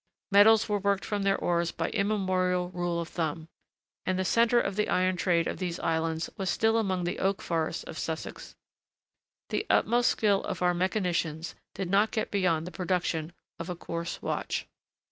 Metals were worked from their ores by immemorial rule of thumb, and the centre of the iron trade of these islands was still among the oak forests of Sussex. The utmost skill of our mechanicians did not get beyond the production of a coarse watch.